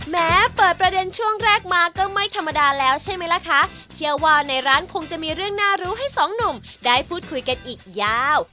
แม้เปิดประเด็นช่วงแรกมาก็ไม่ธรรมดาแล้วใช่ไหมล่ะคะเชื่อว่าในร้านคงจะมีเรื่องน่ารู้ให้สองหนุ่มได้พูดคุยกันอีกยาว